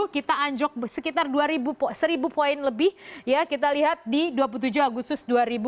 tiga ribu sembilan ratus enam puluh tujuh kita anjlok sekitar seribu poin lebih ya kita lihat di dua puluh tujuh agustus dua ribu tiga belas